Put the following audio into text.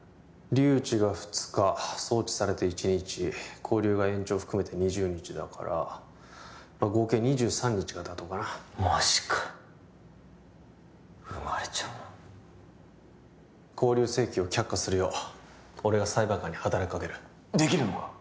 留置が２日送致されて１日勾留が延長含めて２０日だから合計２３日が妥当かなマジか生まれちゃうな勾留請求を却下するよう俺が裁判官に働きかけるできるのか？